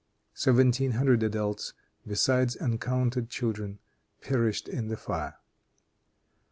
Seventeen hundred adults, besides uncounted children, perished in the fire.